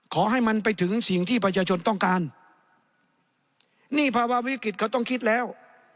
ขอให้มันไปถึงสิ่งที่ประชาชนต้องการนี่ภาวะวิกฤตเขาต้องคิดแล้ว